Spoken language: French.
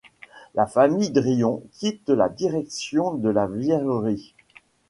La famille Drion quitte la direction de la verrerie.